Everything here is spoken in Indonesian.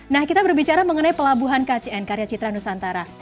nah kita berbicara mengenai pelabuhan kcn karya citra nusantara